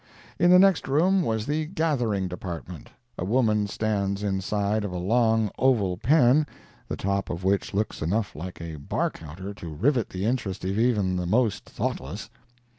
In the next room was the "gathering" department. A woman stands inside of a long oval pen, the top of which looks enough like a bar counter to rivet the interest of even the most thoughtless.